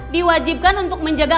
diwajibkan untuk menjaga